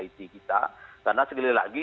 isi kita karena sekali lagi